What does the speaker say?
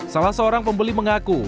salah seorang pembeli mengaku